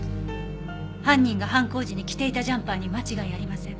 犯人が犯行時に着ていたジャンパーに間違いありません。